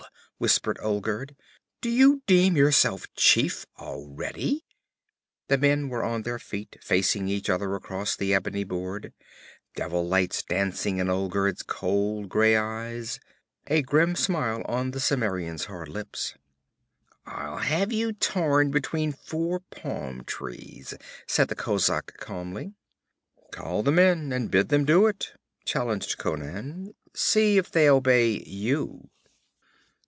whispered Olgerd. 'Do you deem yourself chief already?' The men were on their feet, facing each other across the ebony board, devil lights dancing in Olgerd's cold gray eyes, a grim smile on the Cimmerian's hard lips. 'I'll have you torn between four palm trees,' said the kozak calmly. 'Call the men and bid them do it!' challenged Conan. 'See if they obey you!'